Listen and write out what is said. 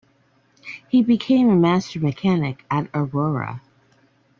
He became a master mechanic at Aurora.